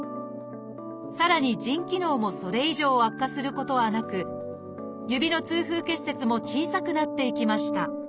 さらに腎機能もそれ以上悪化することはなく指の痛風結節も小さくなっていきました